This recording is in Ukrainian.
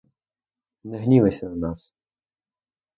Не гнівайся на нас.